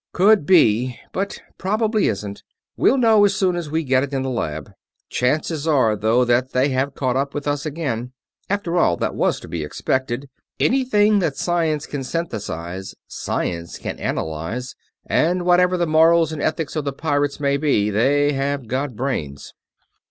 "Could be, but probably isn't. We'll know as soon as we get it in the lab. Chances are, though, that they have caught up with us again. After all, that was to be expected anything that science can synthesize, science can analyze; and whatever the morals and ethics of the pirates may be, they have got brains."